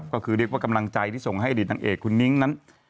ก็คือเรียกว่ากำลังใจที่ส่งให้อดีตนางเอกคุณนิ้งนั้น